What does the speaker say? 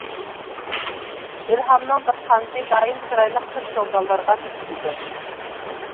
ئىلھامنىڭ بىر قانىتى دائىم چىرايلىق قىز-چوكانلارغا تۇتىشىدۇ.